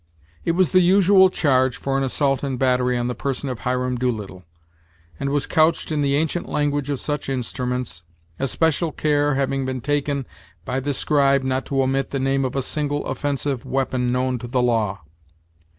It was the usual charge for an assault and battery on the person of Hiram Doolittle, and was couched in the ancient language of such instruments, especial care having been taken by the scribe not to omit the name of a single offensive weapon known to the law.